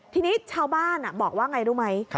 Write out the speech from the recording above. ทีนี้ชาวบ้านบอกว่าไงรู้ไหม